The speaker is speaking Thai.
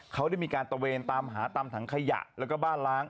เขาได้มีการตะเวนตามหาตามถังขยะแล้วก็บ้านล้าง